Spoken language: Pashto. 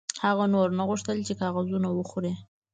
هغه نور نه غوښتل چې کاغذونه وخوري